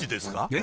え？